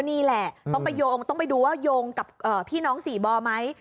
นี่แหละต้องไปโยงต้องไปดูว่าโยงกับพี่น้องสี่บ่อไหม